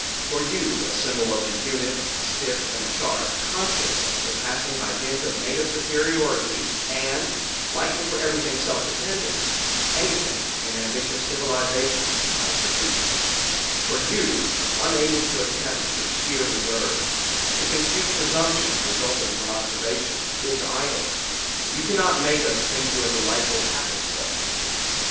For you, a symbol of the unit, slifFand sharp, conscious of surpassing by dint of native superiority and liking for everything self dependent, anything an ambitious civilisation might produce: for you, unaided to attempt through sheer reserve, to confute presumptions resulting from observation, is idle. You cannot make us think you a delightful happen so.